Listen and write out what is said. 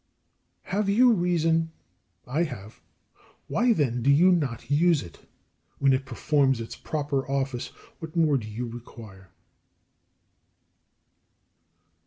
13. Have you reason? I have. Why then do you not use it? When it performs its proper office what more do you require?